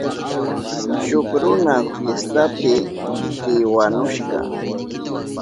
Shuk runa fiestapi piwanushka.